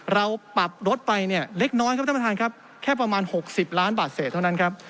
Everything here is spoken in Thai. เราปรับลดไปเนี่ยเล็กน้อยครับท่านประธานครับแค่ประมาณ๖๐ล้านบาทเศษเท่านั้นครับ